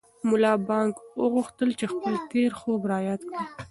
ملا بانګ وغوښتل چې خپل تېر خوب را یاد کړي.